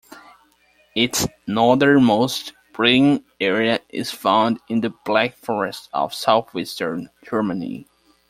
Its northernmost breeding area is found in the Black Forest of southwestern Germany.